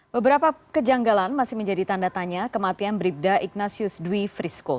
beberapa kejanggalan masih menjadi tanda tanya kematian bribda ignatius dwi frisco